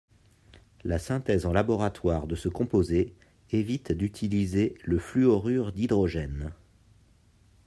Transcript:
La synthèse en laboratoire de ce composé évite d'utiliser le fluorure d'hydrogène.